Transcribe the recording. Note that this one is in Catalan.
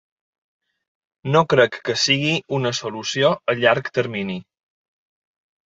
No crec que sigui una solució a llarg termini.